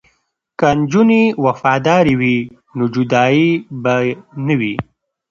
که نجونې وفادارې وي نو جدایی به نه وي.